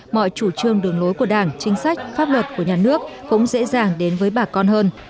mọi chủ trương đường lối của đảng chính sách pháp luật của nhà nước cũng dễ dàng đến với bà con hơn